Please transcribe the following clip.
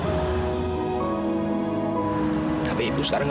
aku gak ada di samping ibu